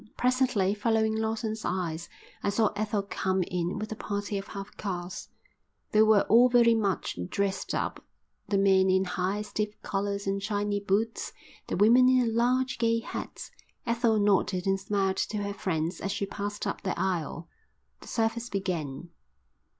Presently, following Lawson's eyes, I saw Ethel come in with a party of half castes. They were all very much dressed up, the men in high, stiff collars and shiny boots, the women in large, gay hats. Ethel nodded and smiled to her friends as she passed up the aisle. The service began.